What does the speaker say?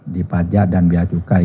di pajak dan biacukai